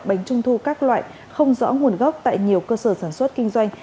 bánh trung thu các loại không rõ nguồn gốc tại nhiều cơ sở sản xuất kinh doanh